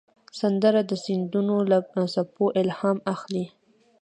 سندره د سیندونو له څپو الهام اخلي